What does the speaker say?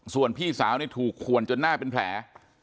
ส่วนพี่สาวถูกขวนจนหน้าเป็นแผล